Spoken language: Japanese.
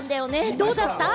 どうだった？